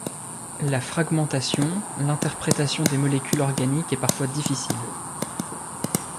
La fragmentation, l'interprétation des molécules organiques est parfois difficile.